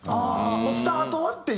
スタートはっていう。